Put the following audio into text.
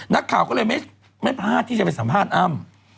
นักข่าวก็เลยไม่พลาดที่จะไปสัมภาษณ์อ้ำ